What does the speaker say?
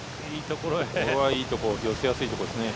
これはいいところ寄せやすいところですね。